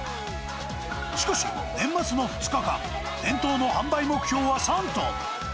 しかし、年末の２日間、店頭の販売目標は３トン。